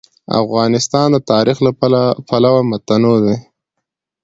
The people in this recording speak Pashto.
افغانستان د تاریخ له پلوه متنوع دی.